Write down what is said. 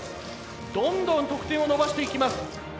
どんどん得点を伸ばしていきます。